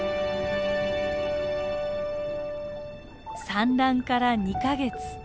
産卵から２か月。